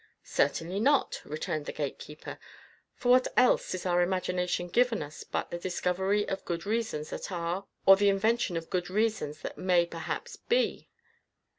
"Certainly not," returned the gate keeper. "For what else is our imagination given us but the discovery of good reasons that are, or the invention of good reasons that may perhaps be?"